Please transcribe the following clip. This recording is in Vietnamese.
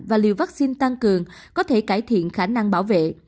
và liều vaccine tăng cường có thể cải thiện khả năng bảo vệ